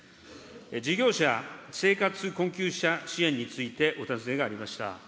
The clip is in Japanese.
事業者、生活困窮者支援についてお尋ねがありました。